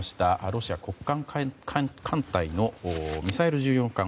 ロシア黒海艦隊のミサイル巡洋艦